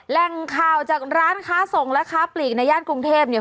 แหล่งข่าวจากร้านค้าส่งและค้าปลีกในย่านกรุงเทพเนี่ย